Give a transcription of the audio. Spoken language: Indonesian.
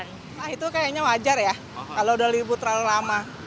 nah itu kayaknya wajar ya kalau udah libur terlalu lama